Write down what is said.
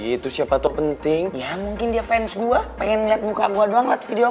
gitu siapa tuh penting ya mungkin dia fans gua pengen lihat muka gua doang lihat video